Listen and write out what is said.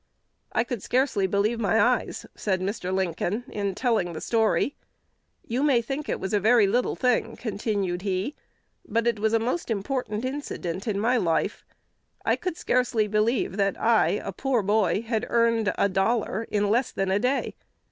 'I could scarcely believe my eyes,' said Mr. Lincoln, in telling the story. 'You may think it was a very little thing,' continued he, 'but it was a most important incident in my life. I could scarcely believe that I, a poor boy, had earned a dollar in less than a day.